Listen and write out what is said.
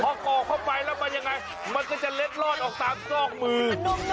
พอก่อเข้าไปแล้วมันยังไงมันก็จะเล็ดลอดออกตามซอกมือ